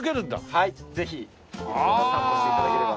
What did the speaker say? はいぜひ散歩して頂ければ。